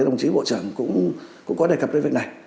đồng chí bộ trưởng cũng có đề cập tới việc này